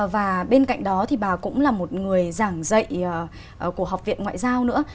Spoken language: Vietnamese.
và bên cạnh đó thì bà cũng là một người giảng dạy của học viện ngoại giao nữa